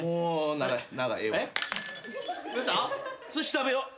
すし食べよう。